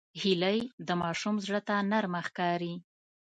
هیلۍ د ماشوم زړه ته نرمه ښکاري